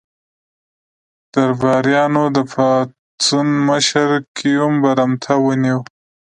درباریانو د پاڅون مشر ګیوم برمته ونیو.